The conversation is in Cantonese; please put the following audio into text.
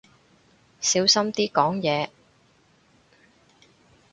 小心啲講嘢